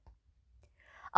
ông hưng nói